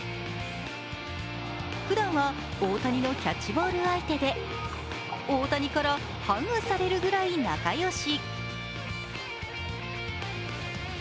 ふだんは大谷のキャッチボール相手で大谷からハグされるぐらい仲良し。